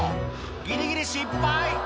ギリギリ失敗！